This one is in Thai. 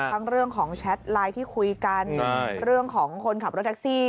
เรื่องของแชทไลน์ที่คุยกันเรื่องของคนขับรถแท็กซี่